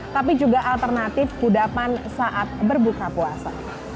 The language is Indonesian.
tapi juga alternatif ke udapan saat berbuka puasa